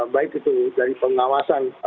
baik itu dari pengawasan